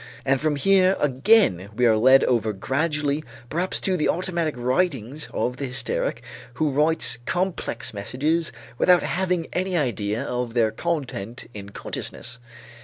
And from here again, we are led over gradually perhaps to the automatic writings of the hysteric who writes complex messages without having any idea of their content in consciousness.